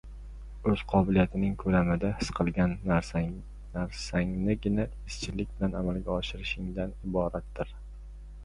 o‘z qobiliyating ko‘lamida his qilgan narsangnigina izchillik bilan amalga oshirishingdan iboratdir.